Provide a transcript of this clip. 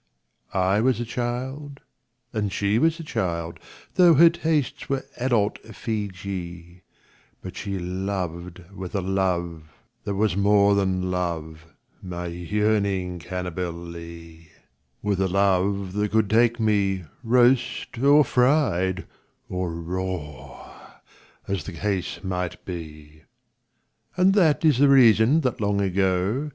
I was a child, and she was a child — Tho' her tastes were adult Feejee — But she loved with a love that was more than love, My yearning Cannibalee; With a love that could take me roast or fried Or raw, as the case might be. And that is the reason that long ago.